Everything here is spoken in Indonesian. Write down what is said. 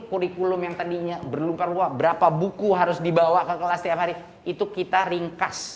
kurang lebih sederhana